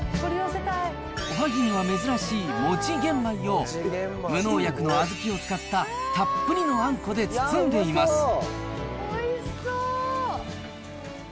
おはぎには珍しいもち玄米を、無農薬の小豆を使ったたっぷりのあんこで包んでいます。